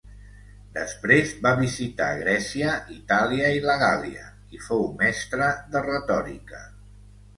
Després va visitar Grècia, Itàlia i la Gàl·lia, i fou mestre de retòrica.